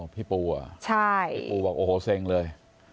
พี่ปูเหรอพี่ปูบอกโอ้โหเซ็งเลย